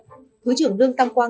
thứ trưởng lương tam quang